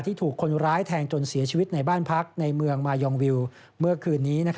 ถูกคนร้ายแทงจนเสียชีวิตในบ้านพักในเมืองมายองวิวเมื่อคืนนี้